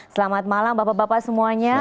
selamat malam bapak bapak semuanya